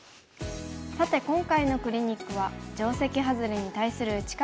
さて今回のクリニックは定石ハズレに対する打ち方を学びました。